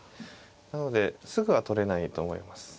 なのですぐは取れないと思います。